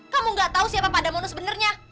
kamu gak tau siapa pada mono sebenernya